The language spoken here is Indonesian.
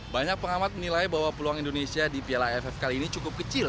banyak pengamat menilai bahwa peluang indonesia di piala aff kali ini cukup kecil